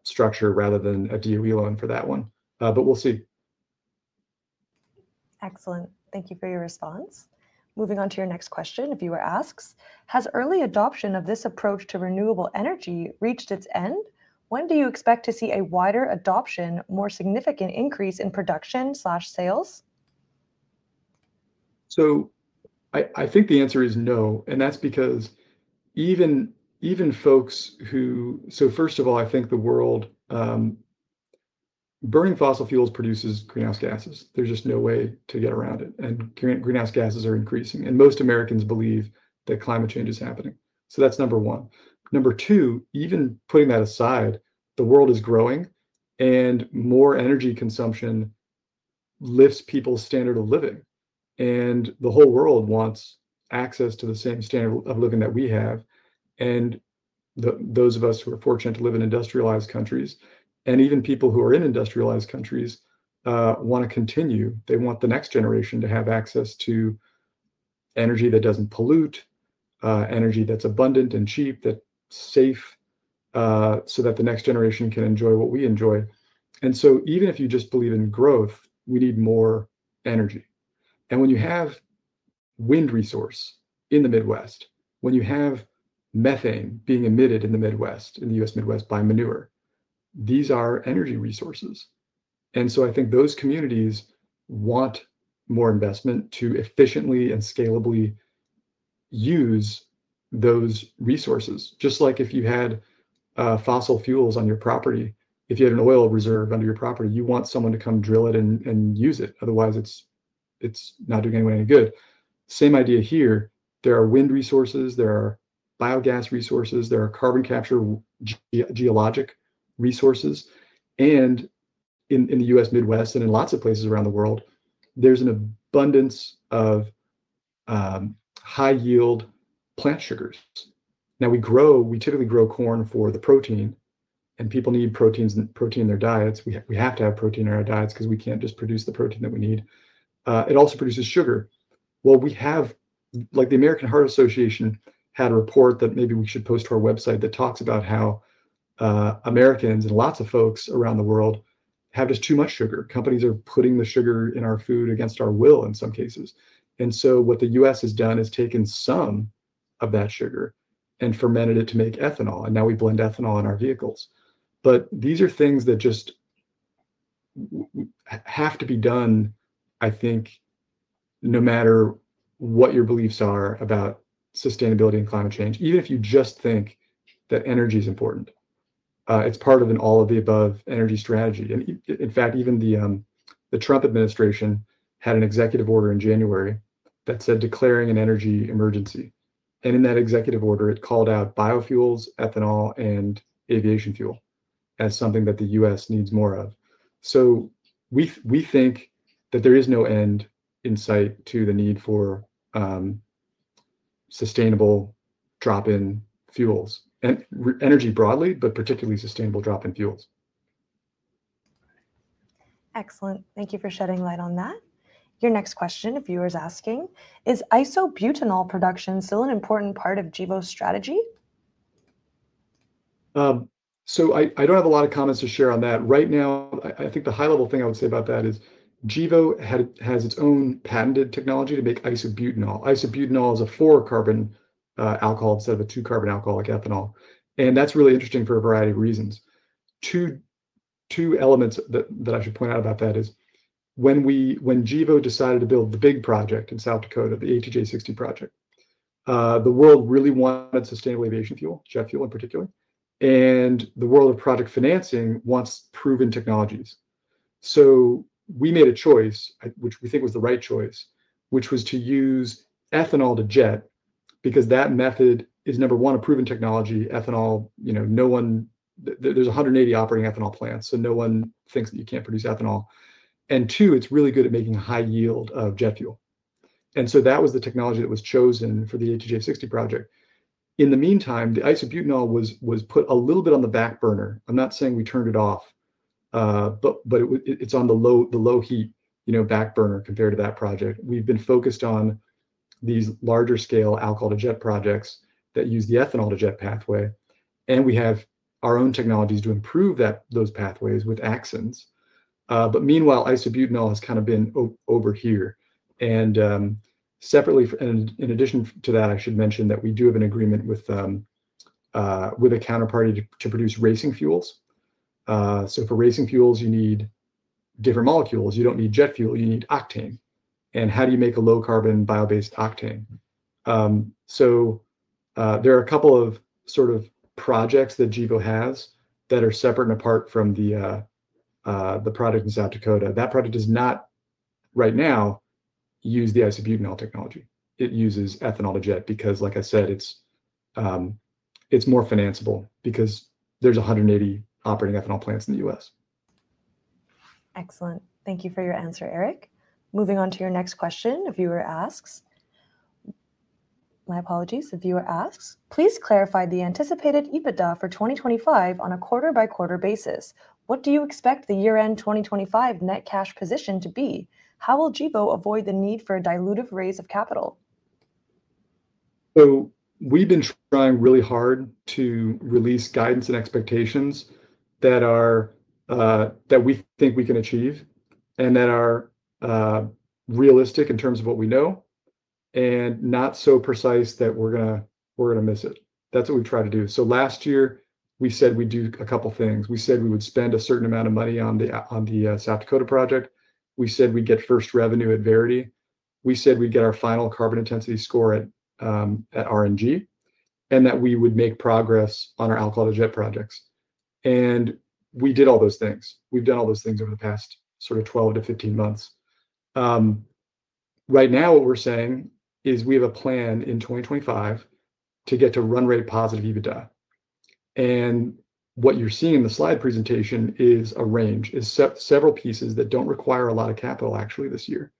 structure rather than a DOE loan for that one. We'll see. Excellent. Thank you for your response. Moving on to your next question, a viewer asks, "Has early adoption of this approach to renewable energy reached its end? When do you expect to see a wider adoption, more significant increase in production/sales?" I think the answer is no. That's because even folks who, first of all, I think the world burning fossil fuels produces greenhouse gases. There's just no way to get around it. Greenhouse gases are increasing. Most Americans believe that climate change is happening. That's number one. Number two, even putting that aside, the world is growing, and more energy consumption lifts people's standard of living. The whole world wants access to the same standard of living that we have. Those of us who are fortunate to live in industrialized countries and even people who are in industrialized countries want to continue. They want the next generation to have access to energy that doesn't pollute, energy that's abundant and cheap, that's safe so that the next generation can enjoy what we enjoy. Even if you just believe in growth, we need more energy. When you have wind resource in the Midwest, when you have methane being emitted in the Midwest, in the U.S. Midwest by manure, these are energy resources. I think those communities want more investment to efficiently and scalably use those resources. Just like if you had fossil fuels on your property, if you had an oil reserve under your property, you want someone to come drill it and use it. Otherwise, it's not doing anybody any good. Same idea here. There are wind resources. There are biogas resources. There are carbon capture geologic resources. In the U.S. Midwest and in lots of places around the world, there's an abundance of high-yield plant sugars. We typically grow corn for the protein, and people need protein in their diets. We have to have protein in our diets because we can't just produce the protein that we need. It also produces sugar. The American Heart Association had a report that maybe we should post to our website that talks about how Americans and lots of folks around the world have just too much sugar. Companies are putting the sugar in our food against our will in some cases. What the U.S. has done is taken some of that sugar and fermented it to make ethanol. Now we blend ethanol in our vehicles. These are things that just have to be done, I think, no matter what your beliefs are about sustainability and climate change, even if you just think that energy is important. It is part of an all-of-the-above energy strategy. In fact, even the Trump administration had an executive order in January that said declaring an energy emergency. In that executive order, it called out biofuels, ethanol, and aviation fuel as something that the U.S. needs more of. We think that there is no end in sight to the need for sustainable drop-in fuels. Energy broadly, but particularly sustainable drop-in fuels. Excellent. Thank you for shedding light on that. Your next question, a viewer is asking, "Is isobutanol production still an important part of Gevo's strategy?" I do not have a lot of comments to share on that. Right now, I think the high-level thing I would say about that is Gevo has its own patented technology to make isobutanol. Isobutanol is a four-carbon alcohol instead of a two-carbon alcohol like ethanol. That's really interesting for a variety of reasons. Two elements that I should point out about that is when Gevo decided to build the big project in South Dakota, the ATJ 60 project, the world really wanted sustainable aviation fuel, jet fuel in particular. The world of project financing wants proven technologies. We made a choice, which we think was the right choice, which was to use ethanol-to-jet because that method is, number one, a proven technology. Ethanol, there's 180 operating ethanol plants, so no one thinks that you can't produce ethanol. Two, it's really good at making a high yield of jet fuel. That was the technology that was chosen for the ATJ 60 project. In the meantime, the isobutanol was put a little bit on the back burner. I'm not saying we turned it off, but it's on the low heat back burner compared to that project. We've been focused on these larger-scale alcohol to jet projects that use the ethanol-to-jet pathway. We have our own technologies to improve those pathways with Axens. Meanwhile, isobutanol has kind of been over here. In addition to that, I should mention that we do have an agreement with a counterparty to produce racing fuels. For racing fuels, you need different molecules. You don't need jet fuel. You need octane. How do you make a low-carbon bio-based octane? There are a couple of sort of projects that Gevo has that are separate and apart from the project in South Dakota. That project does not, right now, use the isobutanol technology. It uses ethanol-to-jet because, like I said, it's more financeable because there's 180 operating ethanol plants in the U.S. Excellent. Thank you for your answer, Eric. Moving on to your next question, a viewer asks. My apologies. A viewer asks, "Please clarify the anticipated EBITDA for 2025 on a quarter-by-quarter basis. What do you expect the year-end 2025 net cash position to be? How will Gevo avoid the need for a dilutive raise of capital?'" We have been trying really hard to release guidance and expectations that we think we can achieve and that are realistic in terms of what we know and not so precise that we're going to miss it. That's what we've tried to do. Last year, we said we'd do a couple of things. We said we would spend a certain amount of money on the South Dakota project. We said we'd get first revenue at Verity. We said we'd get our final carbon intensity score at RNG and that we would make progress on our alcohol to jet projects. We did all those things. We've done all those things over the past sort of 12 to 15 months. Right now, what we're saying is we have a plan in 2025 to get to run-rate positive EBITDA. What you're seeing in the slide presentation is a range, several pieces that don't require a lot of capital, actually, this year.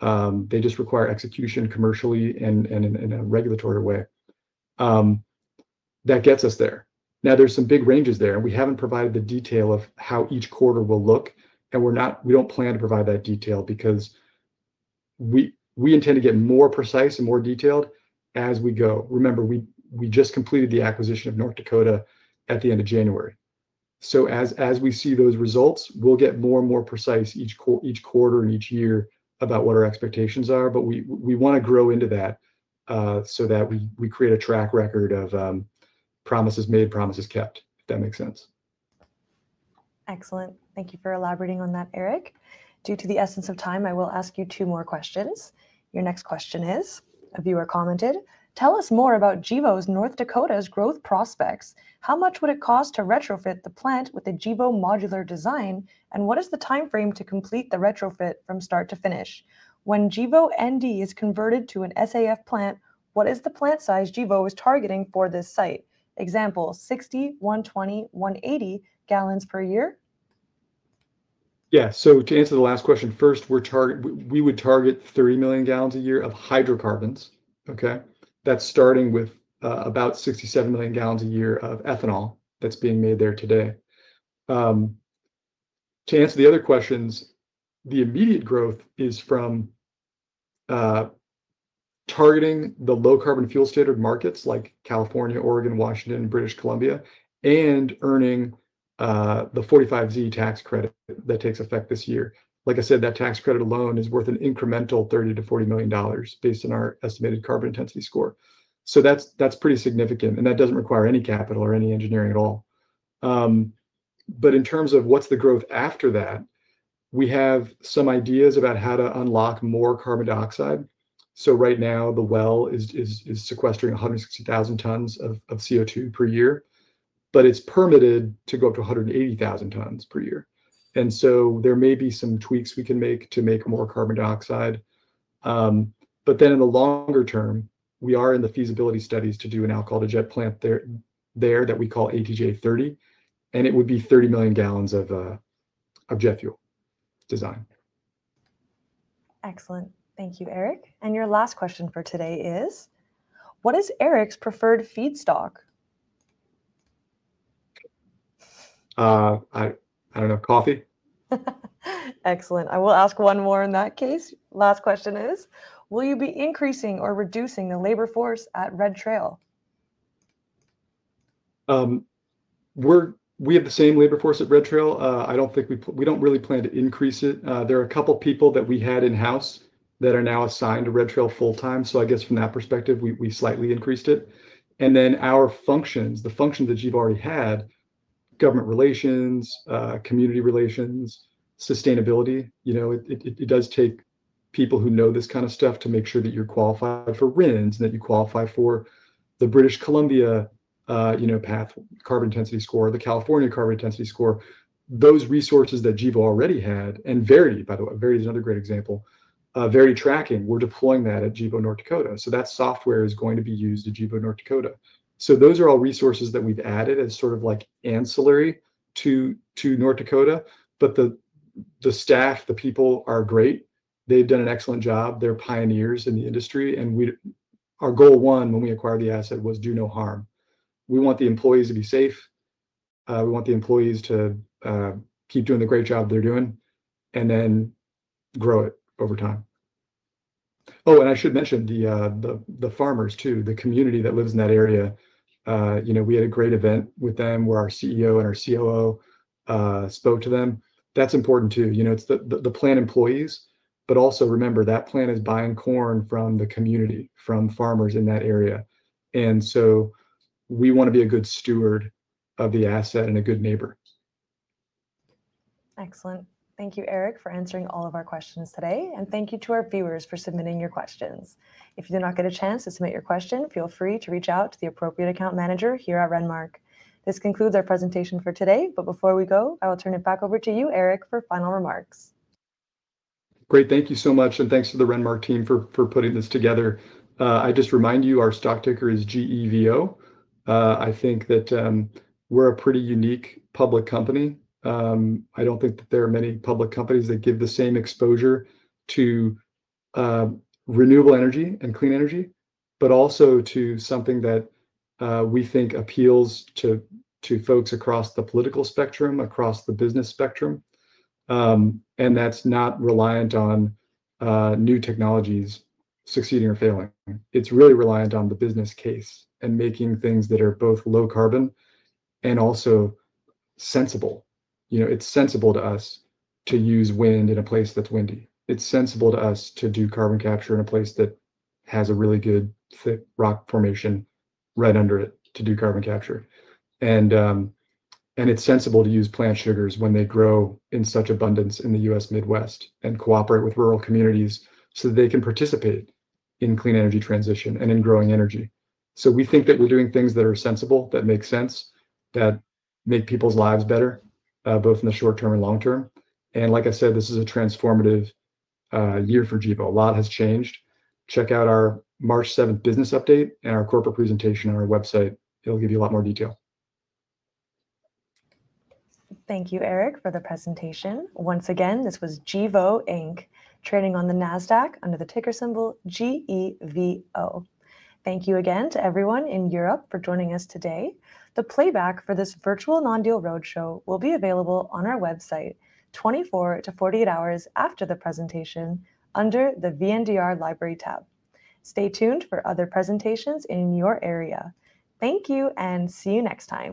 They just require execution commercially and in a regulatory way. That gets us there. Now, there's some big ranges there, and we haven't provided the detail of how each quarter will look. We don't plan to provide that detail because we intend to get more precise and more detailed as we go. Remember, we just completed the acquisition of North Dakota at the end of January. As we see those results, we'll get more and more precise each quarter and each year about what our expectations are. We want to grow into that so that we create a track record of promises made, promises kept, if that makes sense. Excellent. Thank you for elaborating on that, Eric. Due to the essence of time, I will ask you two more questions. Your next question is, a viewer commented, "Tell us more about Gevo North Dakota's growth prospects. How much would it cost to retrofit the plant with a Gevo modular design? What is the timeframe to complete the retrofit from start to finish? When Gevo ND is converted to an SAF plant, what is the plant size Gevo is targeting for this site? Example, 60, 120, 180 million gallons per year? Yeah. To answer the last question first, we would target 30 million gallons a year of hydrocarbons. Okay? That's starting with about 67 million gallons a year of ethanol that's being made there today. To answer the other questions, the immediate growth is from targeting the low-carbon fuel standard markets like California, Oregon, Washington, British Columbia, and earning the 45Z tax credit that takes effect this year. Like I said, that tax credit alone is worth an incremental $30-40 million based on our estimated carbon intensity score. That's pretty significant. That doesn't require any capital or any engineering at all. In terms of what's the growth after that, we have some ideas about how to unlock more carbon dioxide. Right now, the well is sequestering 160,000 tons of CO2 per year. It is permitted to go up to 180,000 tons per year. There may be some tweaks we can make to make more carbon dioxide. In the longer term, we are in the feasibility studies to do an alcohol to jet plant there that we call ATJ 30. It would be 30 million gallons of jet fuel design. Excellent. Thank you, Eric. Your last question for today is, "What is Eric's preferred feedstock?" I don't know. Coffee? Excellent. I will ask one more in that case. Last question is, "Will you be increasing or reducing the labor force at Red Trail?" We have the same labor force at Red Trail. I don't think we don't really plan to increase it. There are a couple of people that we had in-house that are now assigned to Red Trail full-time. I guess from that perspective, we slightly increased it. The functions that you've already had, government relations, community relations, sustainability, it does take people who know this kind of stuff to make sure that you're qualified for RINs and that you qualify for the British Columbia path carbon intensity score, the California carbon intensity score. Those resources that Gevo already had, and Verity, by the way, Verity is another great example, Verity Tracking, we're deploying that at Gevo North Dakota. That software is going to be used at Gevo North Dakota. Those are all resources that we've added as sort of like ancillary to North Dakota. The staff, the people are great. They've done an excellent job. They're pioneers in the industry. Our goal one when we acquired the asset was do no harm. We want the employees to be safe. We want the employees to keep doing the great job they're doing and then grow it over time. I should mention the farmers too, the community that lives in that area. We had a great event with them where our CEO and our COO spoke to them. That's important too. It's the plant employees, but also remember that plant is buying corn from the community, from farmers in that area. We want to be a good steward of the asset and a good neighbor. Excellent. Thank you, Eric, for answering all of our questions today. Thank you to our viewers for submitting your questions. If you do not get a chance to submit your question, feel free to reach out to the appropriate account manager here at Renmark. This concludes our presentation for today. Before we go, I will turn it back over to you, Eric, for final remarks. Great. Thank you so much. Thanks to the Renmark team for putting this together. I just remind you, our stock ticker is GEVO. I think that we're a pretty unique public company. I do not think that there are many public companies that give the same exposure to renewable energy and clean energy, but also to something that we think appeals to folks across the political spectrum, across the business spectrum. That is not reliant on new technologies succeeding or failing. It is really reliant on the business case and making things that are both low carbon and also sensible. It's sensible to us to use wind in a place that's windy. It's sensible to us to do carbon capture in a place that has a really good thick rock formation right under it to do carbon capture. It's sensible to use plant sugars when they grow in such abundance in the U.S. Midwest and cooperate with rural communities so that they can participate in clean energy transition and in growing energy. We think that we're doing things that are sensible, that make sense, that make people's lives better, both in the short term and long term. Like I said, this is a transformative year for Gevo. A lot has changed. Check out our March 7th business update and our corporate presentation on our website. It'll give you a lot more detail. Thank you, Eric, for the presentation. Once again, this was Gevo, Inc. Trading on the NASDAQ under the ticker symbol GEVO. Thank you again to everyone in Europe for joining us today. The playback for this virtual non-deal roadshow will be available on our website 24 to 48 hours after the presentation under the VNDR library tab. Stay tuned for other presentations in your area. Thank you and see you next time.